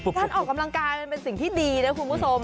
การออกกำลังกายมันเป็นสิ่งที่ดีนะคุณผู้ชม